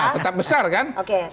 tetap besar kan